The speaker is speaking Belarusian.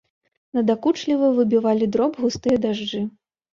Надакучліва выбівалі дроб густыя дажджы.